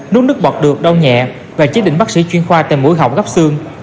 nút nước bọt được đau nhẹ và chế định bác sĩ chuyên khoa tìm mũi hỏng gấp xương